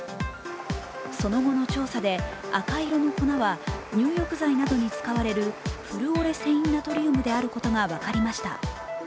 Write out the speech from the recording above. その後の調査で、赤色の粉は入浴剤などに使われるフルオレセインナトリウムであることが分かりました。